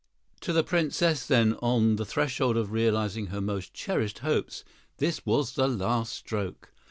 To the Princess, then on the threshold of realizing her most cherished hopes, this was the last stroke.